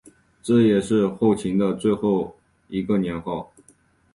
这也是后秦的最后一个年号。